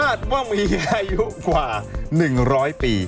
ว่ามีอายุกว่า๑๐๐ปี